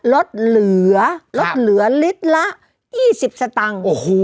ลดเหลือครับลดเหลือลิตรละยี่สิบสตางค์โอ้โห